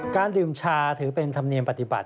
การดื่มชาถือเป็นธรรมเนียมปฏิบัติ